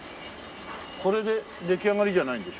これで出来上がりじゃないんでしょ？